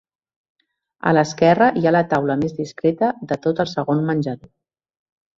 A l'esquerra hi ha la taula més discreta de tot el segon menjador.